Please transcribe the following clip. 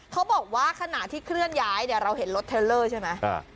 เขาบอกว่าขณะที่เคลื่อนย้ายเนี่ยเราเห็นรถเทลเลอร์ใช่ไหม